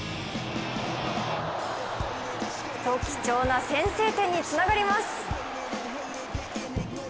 貴重な先制点につながります。